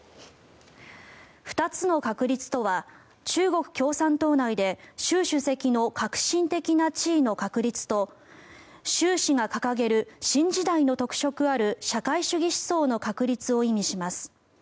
二つの確立とは中国共産党内で習主席の核心的な地位の確立と習氏が掲げる新時代の特色ある社会主義思想の確立を意味します。